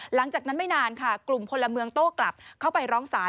หลังจากนั้นไม่นานค่ะกลุ่มพลเมืองโต้กลับเข้าไปร้องศาล